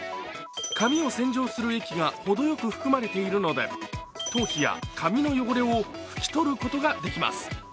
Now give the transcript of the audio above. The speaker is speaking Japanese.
髪を洗浄する液がほどよく含まれているので頭皮や髪の汚れを拭き取ることができます。